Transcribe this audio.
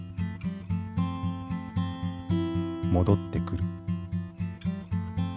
戻ってくる。